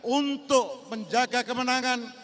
untuk menjaga kemenangan